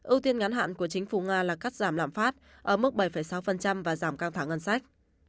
ưu tiên ngắn hạn của chính phủ nga là cắt giảm lãm phát ở mức bảy sáu và giảm căng thẳng ngân sách